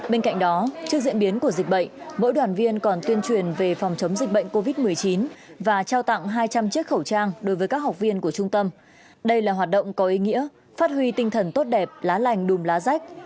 bên cạnh đó trước diễn biến của dịch bệnh mỗi đoàn viên còn tuyên truyền về phòng chống dịch bệnh covid một mươi chín và trao tặng hai trăm linh chiếc khẩu trang đối với các học viên của trung tâm đây là hoạt động có ý nghĩa phát huy tinh thần tốt đẹp lá lành đùm lá rách